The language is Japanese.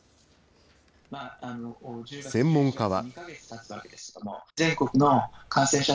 専門家は。